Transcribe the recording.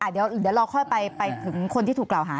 เดี๋ยวเราค่อยไปถึงคนที่ถูกกล่าวหา